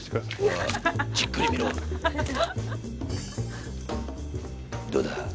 あじっくり見ろどうだ？